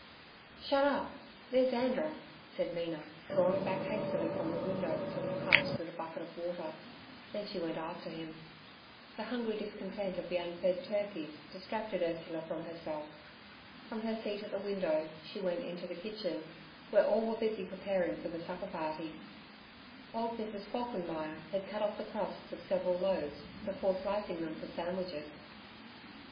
'Shut up! there's Andrer' said Mina, drawing back hastily from the window till he passed with a bucket of water, then she went after him. The hungry discontent of the unfed turkeys distracted Ursula from herself. From her seat at the window she went into the kitchen, where all were busy preparing for the supperparty. Old Mrs. Falkenmeyer had cut off the crusts of several loaves before slicing them for sandwiches.